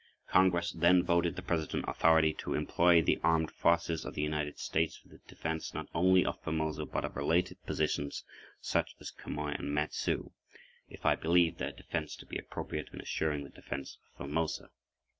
Congress then voted the President authority to employ the Armed Forces of the United States for the defense not only of Formosa but of related positions, such as Quemoy and Matsu, if I believed their defense to be appropriate in assuring the defense of Formosa.